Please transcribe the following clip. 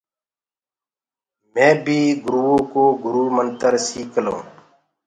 مي بي گُرو ڪو گُرو منتر سيک لنٚوٚ۔